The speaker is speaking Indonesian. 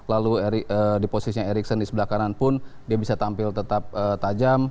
lalu di posisinya ericson di sebelah kanan pun dia bisa tampil tetap tajam